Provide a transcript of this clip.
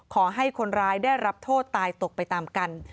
ขอให้คนร้ายได้รับโทษตายตกไปตามกัน